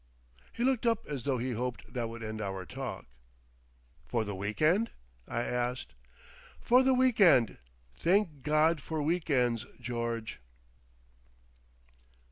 He looked up as though he hoped that would end our talk. "For the week end?" I asked. "For the week end. Thank God for week ends, George!"